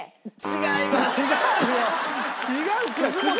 違います。